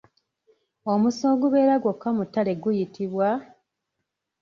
Omusu ogubeera gwokka mu ttale guyitibwa?